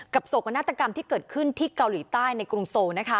กับโศกนรรติกรรมที่เกิดขึ้นที่เกาหลีใต้ในกรุงโซ